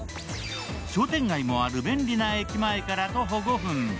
商店街もある便利な駅前から徒歩５分。